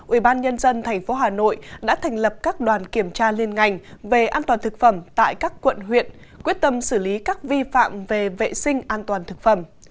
ubnd tp hà nội đã thành lập các đoàn kiểm tra liên ngành về an toàn thực phẩm tại các quận huyện quyết tâm xử lý các vi phạm về vệ sinh an toàn thực phẩm